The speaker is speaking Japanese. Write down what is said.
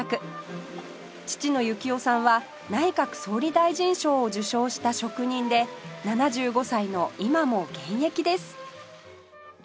父の幸生さんは内閣総理大臣賞を受賞した職人で７５歳の今も現役です